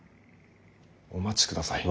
お待ちください。